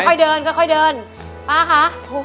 ค่อยเดินค่อยเดินป้าคะ